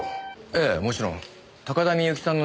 ええもちろん。